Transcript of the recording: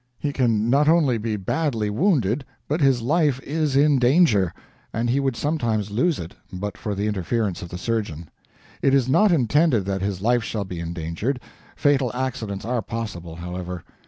He can not only be badly wounded, but his life is in danger; and he would sometimes lose it but for the interference of the surgeon. It is not intended that his life shall be endangered. Fatal accidents are possible, however.